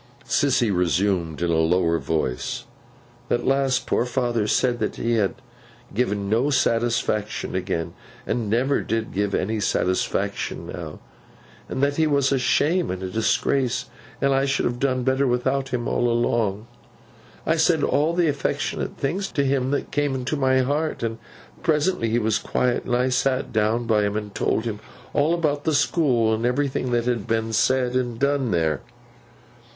Sissy resumed in a lower voice. 'At last poor father said that he had given no satisfaction again, and never did give any satisfaction now, and that he was a shame and disgrace, and I should have done better without him all along. I said all the affectionate things to him that came into my heart, and presently he was quiet and I sat down by him, and told him all about the school and everything that had been said and done there.